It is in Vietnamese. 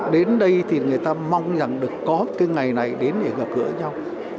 đến đây thì người ta mong rằng được có cái ngày này đến để gặp gỡ nhau